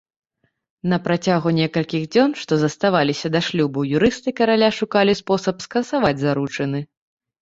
На працягу некалькіх дзён, што заставаліся да шлюбу, юрысты караля шукалі спосаб скасаваць заручыны.